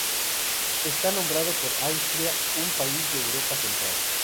Está nombrado por Austria, un país de Europa central.